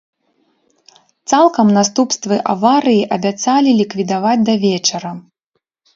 Цалкам наступствы аварыі абяцалі ліквідаваць да вечара.